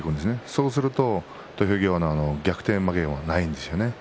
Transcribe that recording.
そうすると土俵際逆転負けはないんです。